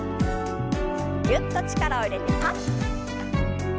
ぎゅっと力を入れてパッ。